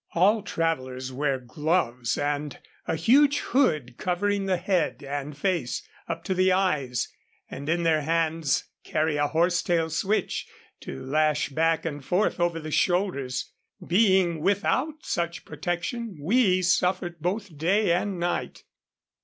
All travelers wear gloves, and a huge hood covering the head and face up to the eyes, and in their hands carry a horse tail switch to lash back and forth over their shoulders. Being without such protection we suffered both day and night.